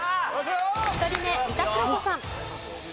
１人目三田寛子さん。